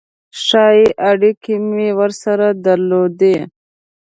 ښې اړیکې مې ورسره درلودې.